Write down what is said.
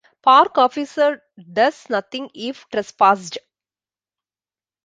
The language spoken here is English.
Park officer does nothing if trespassed.